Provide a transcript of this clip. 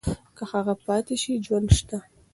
که هغه پاتې شي ژوند شته.